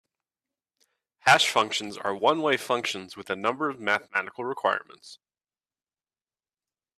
Hash functions are one-way functions with a number of mathematical requirements.